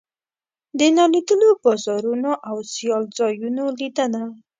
د نالیدلو بازارونو او سیال ځایونو لیدنه.